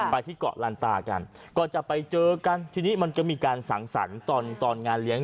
ไปที่เกาะรันตากันก่อนจะไปเจอกันทีนี้มันก็มีการสั่งสรรตอนประเภทเลย